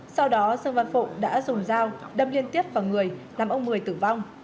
sau đó dân văn phụng đã dùng dao đâm liên tiếp vào người làm ông mười tử vong